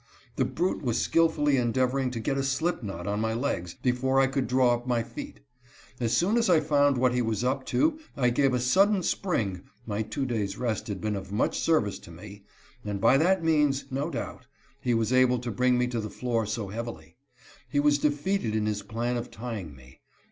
The brute was skillfully endeavoring to get a slip knot on my legs, before I could draw up my feet. As soon as I found what he was up to, I gave a sudden spring (my two days' rest had been of much service to me) and by that means, no doubt, he was able to bring me to the floor so heavily. He was defeated in his plan of tying me.